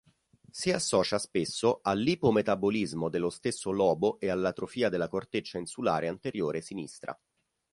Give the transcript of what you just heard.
Si associa spesso all'ipometabolismo dello stesso lobo e all'atrofia della corteccia insulare anteriore sinistra.